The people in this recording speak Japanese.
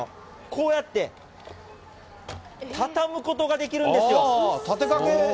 こうやって、畳むことができるんですよ。